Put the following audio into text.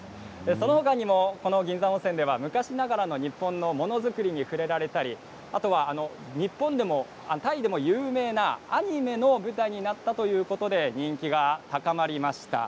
その他に銀山温泉では昔ながらの日本のものづくりに触れられたりタイでも有名なアニメの舞台になったということで人気が高まりました。